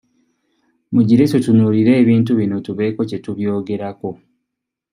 Mugire tutunuulire ebintu bino tubeeko kye tubyogerako.